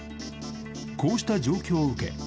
こうした状況を受け